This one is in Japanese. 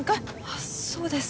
あっそうです。